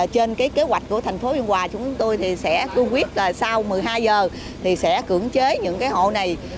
trên kế hoạch của thành phố biên hòa chúng tôi sẽ quyết sau một mươi hai giờ thì sẽ cưỡng chế những hồ này